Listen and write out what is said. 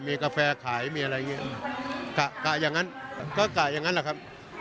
มีกาแฟขายมีอะไรอย่างเงี้ยกะกะอย่างนั้นก็กะอย่างนั้นแหละครับ